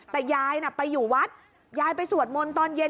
แต่ยายน่ะไปอยู่วัดยายไปสวดมนต์ตอนเย็น